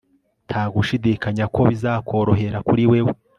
Nta gushidikanya ko bizakorohera kuri wewe